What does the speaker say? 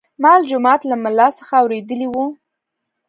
ما له جومات له ملا څخه اورېدلي وو.